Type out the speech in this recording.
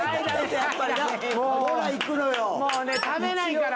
もうね食べないから。